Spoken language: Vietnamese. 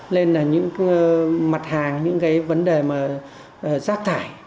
nên là những mặt hàng những cái vấn đề mà rác thải